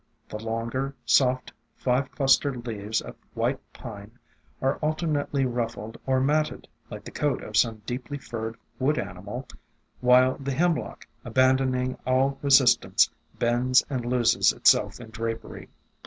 The longer, soft, five clustered leaves of White Pine are alternately ruffled or matted, like the coat of some deeply furred wood animal, while the Hemlock, abandoning all resist ance, bends, and loses itself in drapery.